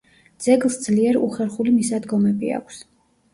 ძეგლს ძლიერ უხერხული მისადგომები აქვს.